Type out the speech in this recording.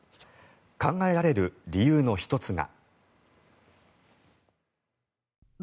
考えられる理由の１つが。